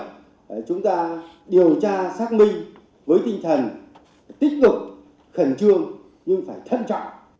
vì vậy mà cái việc chúng ta điều tra xác minh với tinh thần tích cực khẩn trương nhưng phải thân trọng